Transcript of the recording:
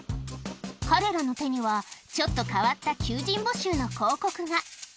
彼らの手には、ちょっと変わった求人募集の広告が。